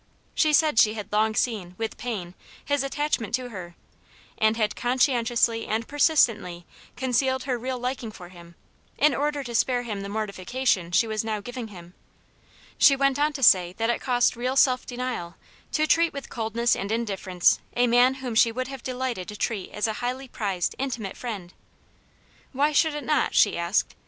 She said she had long seen, with pain, his attachment to her, and had conscientiously and persistently con [ cealed her real liking for him, in order to spare 1 him the mortification she was now giving him. ! She went on to say that it cost real self denial to treat with coldness and indifference a man whom she would have delighted to treat as a highly prized, intimate friend. ' Why should it not }' she asked.